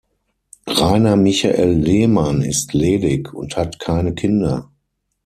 Rainer-Michael Lehmann ist ledig und hat keine Kinder.